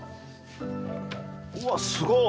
うわっすごっ！